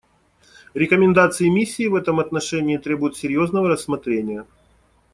Рекомендации миссии в этом отношении требуют серьезного рассмотрения.